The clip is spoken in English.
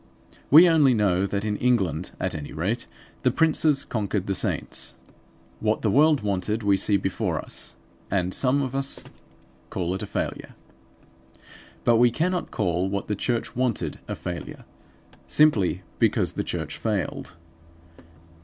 We only know that in England at any rate the princes conquered the saints. What the world wanted we see before us; and some of us call it a failure. But we cannot call what the church wanted a failure, simply because the church failed.